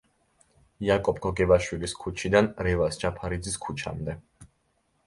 იაკობ გოგებაშვილის ქუჩიდან რევაზ ჯაფარიძის ქუჩამდე.